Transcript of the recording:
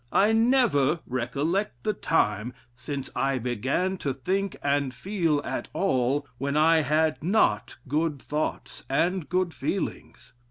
I never recollect the time, since I began to think and feel at all, when I had not good thoughts, and good feelings.